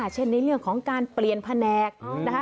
เช่นในเรื่องของการเปลี่ยนแผนกนะคะ